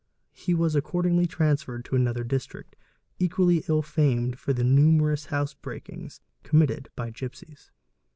"He was accordingly transferred to another district equally ill famed for the numerous house breakings committed by gipsies.